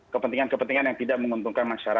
kepentingan kepentingan yang tidak menguntungkan masyarakat